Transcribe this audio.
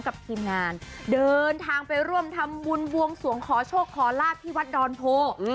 ทีมงานเดินทางไปร่วมทำบุญบวงสวงขอโชคขอลาบที่วัดดอนโพ